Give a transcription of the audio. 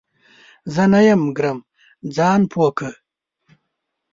زه نه یم ګرم ، ځان پوه کړه !